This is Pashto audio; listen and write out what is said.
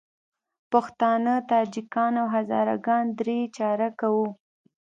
پښتانه، تاجکان او هزاره ګان درې چارکه وو.